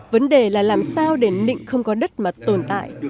vấn đề là làm sao để nịnh không có đất mà tồn tại